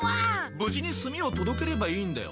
ぶじに炭をとどければいいんだよな。